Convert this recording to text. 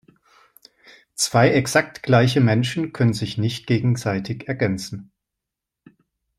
Zwei exakt gleiche Menschen können sich nicht gegenseitig ergänzen.